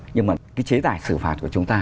nhưng mà cái chế tài xử phạt của chúng ta